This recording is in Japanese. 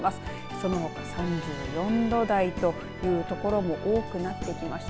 その３４度台という所も多くなってきました。